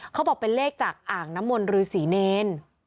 เขาบอกเป็นเลขจากอ่างน้ำมนต์ฤษีเนร